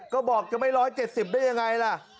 ก็บอกจะไม่๑๗๐ได้ยังไงล่ะ